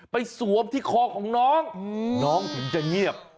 สวมที่คอของน้องน้องถึงจะเงียบ